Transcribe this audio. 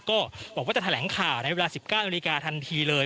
ก็บอกว่าจะแถลงข่าวในเวลา๑๙นาฬิกาทันทีเลย